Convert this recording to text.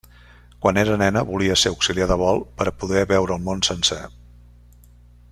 Quan era nena volia ser auxiliar de vol per a poder veure el món sencer.